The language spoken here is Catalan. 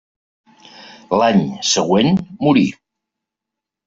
L'any següent morí.